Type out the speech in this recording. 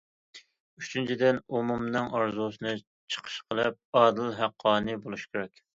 ئۈچىنچىدىن، ئومۇمنىڭ ئارزۇسىنى چىقىش قىلىپ، ئادىل، ھەققانىي بولۇش كېرەك.